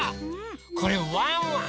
これワンワン！